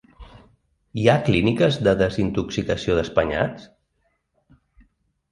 Hi ha clíniques de desintoxicació d’espanyats?